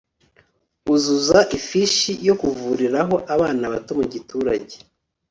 uzuza ifishi yo kuvuriraho abana bato mu giturage